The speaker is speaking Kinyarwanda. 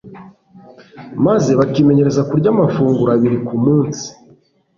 maze bakimenyereza kurya amafunguro abiri ku munsi